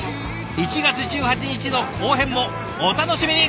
１月１８日の後編もお楽しみに！